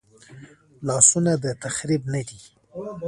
لاسونه د تخریب نه دي